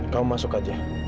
kamu masuk saja